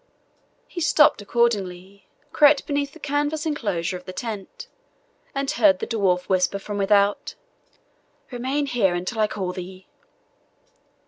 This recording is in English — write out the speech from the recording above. He stooped accordingly, crept beneath the canvas enclosure of the tent, and heard the dwarf whisper from without, "Remain here until I call thee."